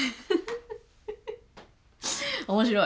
面白い。